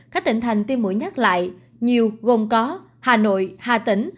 các tỉnh thành tiêm mũi nhắc lại nhiều gồm có hà nội hà tĩnh